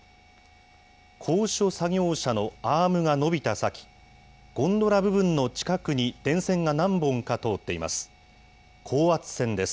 高所作業車のアームが伸びた先、ゴンドラ部分の近くに電線が何本か通っています。